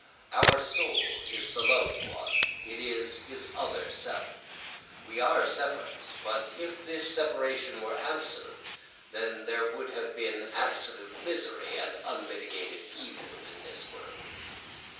Our soul is the loved one, it is his other self. We are separate; but if this separation were absolute, then there would have been absolute misery and unmitigated evil in this world.